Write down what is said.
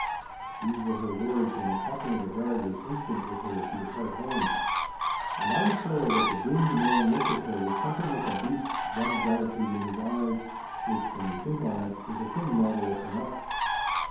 These were her words, when the captain of the guard was instant with her to depart home. And I declare that the doomed man looked at her with something like a beast's dumb gratitude in his eyes, which, when you think on it, is a thing marvellous enough.